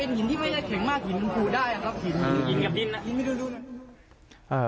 เป็นหินที่ไม่ได้แข็งมากหินผูดได้